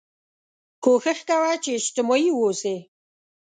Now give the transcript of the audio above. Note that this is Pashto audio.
کوښښ کوه چې اجتماعي واوسې